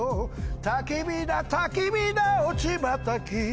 たきびだたきびだおちばたき